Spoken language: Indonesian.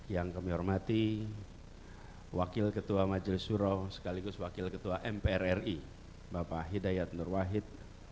yang kami hormati wakil ketua majelis suro sekaligus wakil ketua mprri bapak hidayat nurwahid